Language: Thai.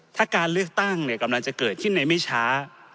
ถ้าการเลือกตั้งกำลังจะเกิดขึ้นในไม่ช้า